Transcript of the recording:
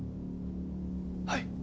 はい。